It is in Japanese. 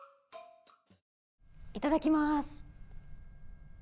いただきます。